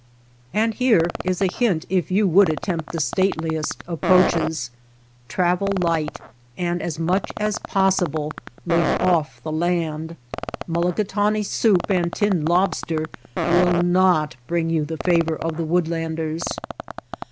And here is a hint if you would attempt the stateliest approaches ; travel light, and as much as possible live off the land. Mulligatawny soup and tinned lobster will not bring you the favor of the woodlanders.